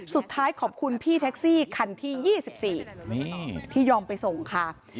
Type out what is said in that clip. สุดท้ายขอบคุณพี่แท็กซี่คันที่๒๔ที่ยอมไปส่งค่ะ